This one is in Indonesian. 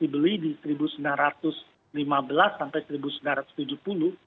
dibeli di rp satu sembilan ratus lima belas sampai rp satu sembilan ratus tujuh puluh